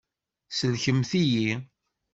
Sellkemt-iyi!